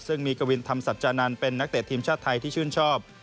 ซึ่งมีกวินธรรมสัจจานันทร์เป็นนักเตะทีมชาติไทยที่ชื่นชอบ